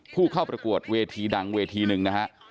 ผู้เข้าประกวดเวทีดังเวทีหนึ่งนะฮะ